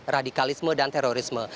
radikalisme dan terorisme